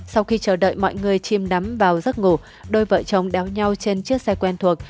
sau khi chờ đợi mọi người chim đắm vào giấc ngủ đôi vợ chồng đéo nhau trên chiếc xe quen thuộc